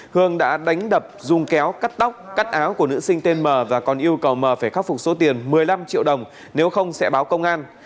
hương đã đánh đập dùng kéo cắt tóc cắt áo của nữ sinh tên m và còn yêu cầu m phải khắc phục số tiền một mươi năm triệu đồng nếu không sẽ báo công an